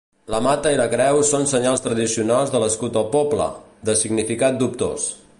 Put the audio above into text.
La mata i la creu són senyals tradicionals de l'escut del poble, de significat dubtós.